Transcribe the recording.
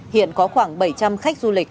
hiện có khoảng bảy trăm linh khách du lịch